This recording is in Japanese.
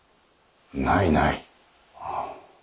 ないない。